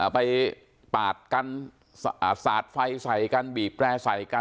ปาดกันสาดไฟใส่กันบีบแร่ใส่กัน